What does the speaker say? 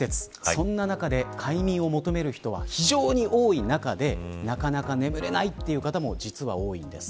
そんな中で、快眠を求める人は非常に多い中でなかなか眠れないという方も実は多いんです。